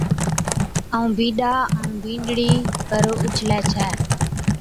ائُون بِينڏا ائُون بِينڏڙِي پر اُڇلي ڇَي